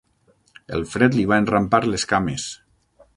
El fred li va enrampar les cames.